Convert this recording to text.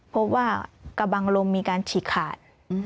พบว่ากระบังลมมีการฉีกขาด